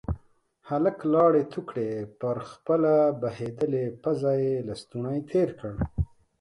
هلک لاړې تو کړې، پر خپله بهيدلې پزه يې لستوڼی تير کړ.